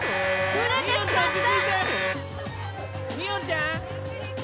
触れてしまった。